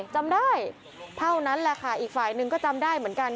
จำได้เท่านั้นแหละค่ะอีกฝ่ายหนึ่งก็จำได้เหมือนกัน